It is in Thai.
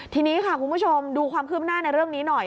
ทีนี้ค่ะคุณผู้ชมดูความคืบหน้าในเรื่องนี้หน่อย